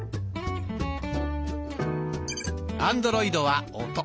アンドロイドは「音」。